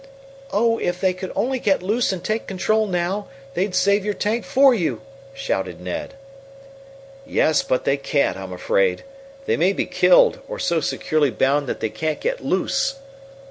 "Oh, if they could only get loose and take control now, Tom, they'd save your tank for you!" shouted Ned. "Yes; but they can't, I'm afraid. They may be killed, or so securely bound that they can't get loose!"